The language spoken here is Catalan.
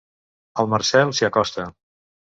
El Marcel s'hi acosta.